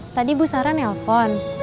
tadi bu sarah nelpon